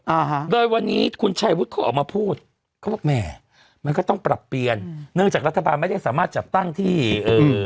อ่าฮะโดยวันนี้คุณชัยวุฒิเขาออกมาพูดเขาบอกแหม่มันก็ต้องปรับเปลี่ยนเนื่องจากรัฐบาลไม่ได้สามารถจัดตั้งที่เอ่อ